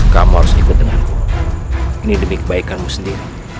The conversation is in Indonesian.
kamu harus ikut denganku ini demi kebaikanmu sendiri